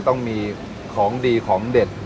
ต้องมีของดีของเด็ด